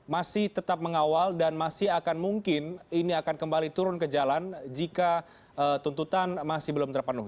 masih tetap mengawal dan masih akan mungkin ini akan kembali turun ke jalan jika tuntutan masih belum terpenuhi